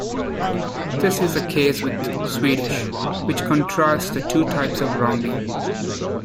This is the case with Swedish, which contrasts the two types of rounding.